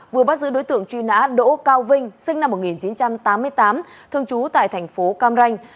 vừa bắt giữ đối tượng truy nã đỗ cao vinh sinh năm một nghìn chín trăm tám mươi tám thường trú tại thành phố cam ranh